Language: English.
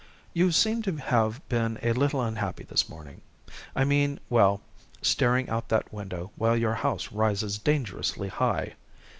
"You seem to have been a little unhappy this morning. I mean well staring out that window while your house rises dangerously high.